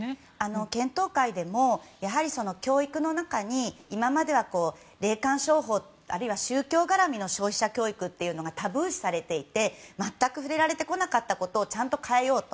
検討会でも教育の中に今までは霊感商法あるいは宗教絡みの消費者教育はタブー視されていて全く触れられてこなかったことをちゃんと変えようと。